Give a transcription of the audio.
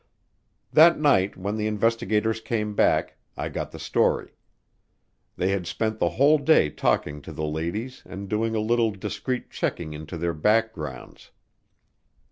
That night when the investigators came back, I got the story. They had spent the whole day talking to the ladies and doing a little discreet checking into their backgrounds.